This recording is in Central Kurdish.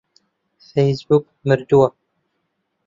فەیسبووک مردووە.